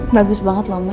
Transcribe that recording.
bagus banget loh mbak